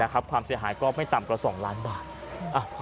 ความเสียหายก็ไม่ต่ำกว่า๒ล้านบาท